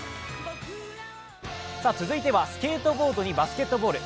続いてはスケートボードにバスケットボール。